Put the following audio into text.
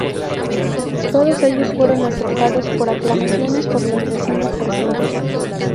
Todos ellos fueron aceptados por aclamación por los vecinos presentes.